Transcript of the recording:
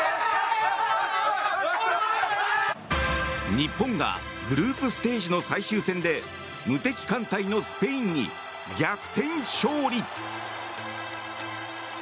日本がグループステージの最終戦で無敵艦隊のスペインに逆転勝利！